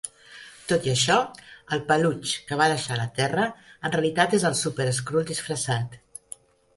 Tot i això, el "Peluix" que va deixar la Terra en realitat és el Super-Skrull disfressat.